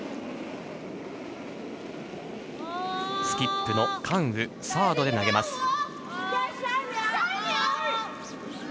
スキップの韓雨サードで投げます。